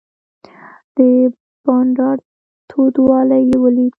د بانډار تودوالی یې ولید.